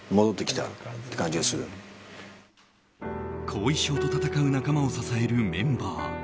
後遺症と闘う仲間を支えるメンバー。